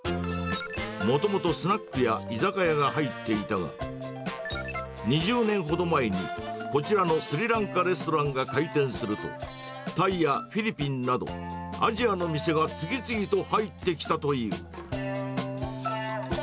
もともとスナックや居酒屋が入っていたが、２０年ほど前に、こちらのスリランカレストランが開店すると、タイやフィリピンなど、アジアの店が次々と入ってきたという。